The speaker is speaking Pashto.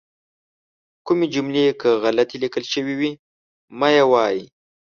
کومې جملې که غلطې لیکل شوي وي مه یې وایئ.